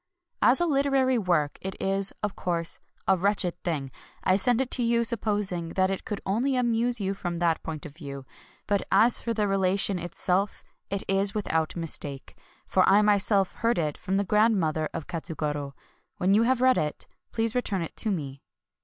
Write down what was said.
As a literary work it is, of course, a wretched thing. I send it to you supposing that it could only amuse you from that point of view. But as for the relation itself, it is without mistake ; for I myself heard it from the grandmother of Katsugoro. When you have read it, please return it to me.